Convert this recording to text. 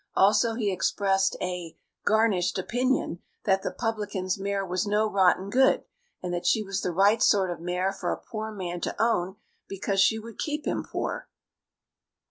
Also he expressed a (garnished) opinion that the publican's mare was no rotten good, and that she was the right sort of mare for a poor man to own, because she would keep him poor.